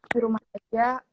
di rumah aja